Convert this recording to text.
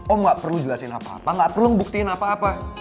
oh gak perlu jelasin apa apa nggak perlu ngebuktiin apa apa